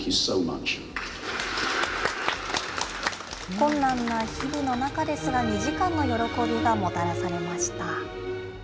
困難な日々の中ですが、２時間の喜びがもたらされました。